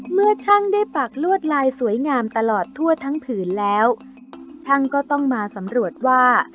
เมื่อช่างได้ปักลวดลายสวยงามตลอดทั่วทั้งผืนแล้วช่างก็ต้องมาสำรวจว่า